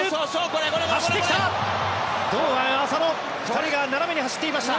堂安、浅野２人が斜めに走っていました。